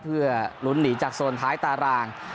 เพื่อลุ้นหนีจากโซนท้ายตาราง